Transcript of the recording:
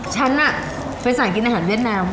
ฉันอะไปสร้างกินอาหารเวียดแนม